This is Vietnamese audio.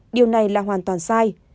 điều này là hoàn toàn sai